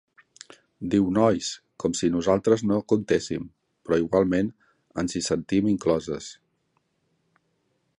Diu nois, com si nosaltres no comptéssim, però igualment ens hi sentim incloses.